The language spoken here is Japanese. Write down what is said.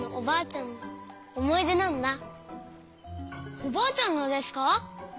おばあちゃんのですか？